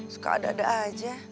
suka ada ada aja